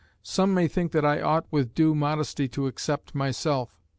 Some may think that I ought with due modesty to except myself.